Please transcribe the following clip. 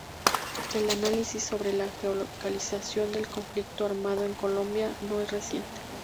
El análisis sobre la geolocalización del conflicto armado en Colombia no es reciente.